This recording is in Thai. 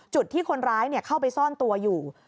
จุดที่คนร้ายเข้าไปซ่อนตัวอยู่